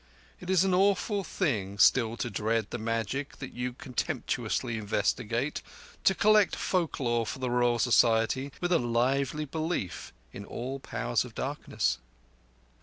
It is an awful thing still to dread the magic that you contemptuously investigate—to collect folk lore for the Royal Society with a lively belief in all Powers of Darkness.